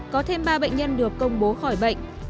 có thêm ba bệnh nhân được công bố khỏi bệnh